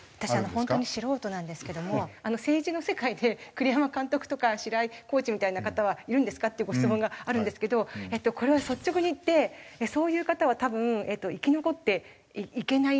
本当に素人なんですけども「政治の世界で栗山監督とか白井コーチみたいな方はいるんですか？」っていうご質問があるんですけどこれは率直に言ってそういう方は多分生き残っていけない